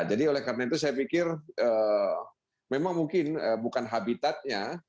oleh karena itu saya pikir memang mungkin bukan habitatnya